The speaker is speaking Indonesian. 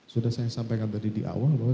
sudah saya sampaikan tadi di awal bahwa